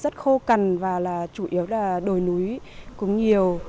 nó rất khô cằn và là chủ yếu là đồi núi cũng nhiều